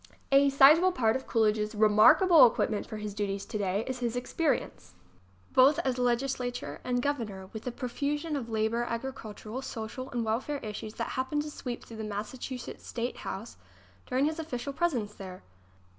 A sizable part of Coolidge's remarkable equip ment for his duties today is his experience, both as legislator and Governor, with the profusion of labor, agricultural, social and welfare issues that happened to sweep through the Massachusetts State House during his official presence there.